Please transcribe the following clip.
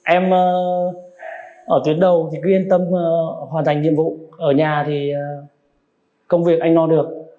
em ở tuyến đầu thì yên tâm hoàn thành nhiệm vụ ở nhà thì công việc anh lo được